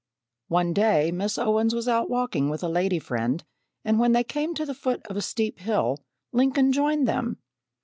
One day Miss Owens was out walking with a lady friend and when they came to the foot of a steep hill, Lincoln joined them.